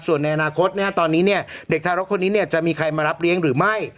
ส่วนในอนาคตเนี่ยตอนนี้เนี่ยเด็กทารกคนนี้เนี่ยจะมีใครมารับเลี้ยงหรือไม่